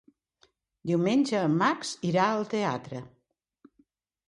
Diumenge en Max irà al teatre.